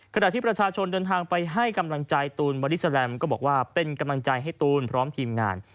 ขณะที่ประชาชนเดินทางไปให้กำลังใจตูนบอดี้แลมก็บอกว่าเป็นกำลังใจให้ตูนพร้อมทีมงาน